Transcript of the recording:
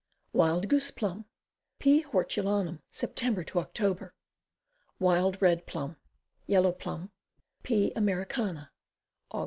Wild Goose Plum. P. hortulana. Sep Oct. Wild Red Plum. Yellow P. P. Americana. Aug.